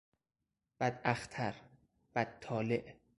بد اختر، بد طالع